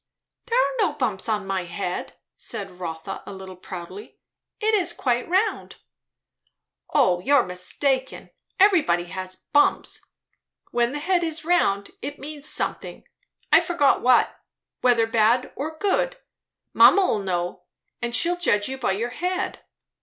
"There are no bumps on my head," said Rotha a little proudly; "it is quite round." "O you're mistaken; everybody has bumps; when the head is round, it means something, I forget what; whether bad or good. Mamma'll know; and she'll judge you by your head.